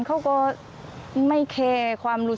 แต่เธอก็ไม่ละความพยายาม